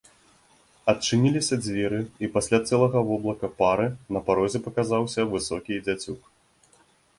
Адчыніліся дзверы, і пасля цэлага воблака пары на парозе паказаўся высокі дзяцюк.